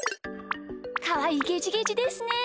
かわいいゲジゲジですね。